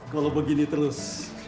kalau begini terus